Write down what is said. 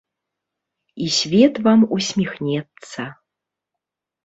І свет вам усміхнецца.